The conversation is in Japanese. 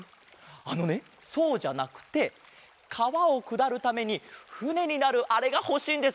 あのねそうじゃなくてかわをくだるためにふねになるあれがほしいんです。